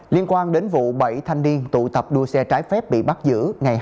liên quan đến vụ bảy thanh niên tụ tập đua xe trái phép bị bắt giữ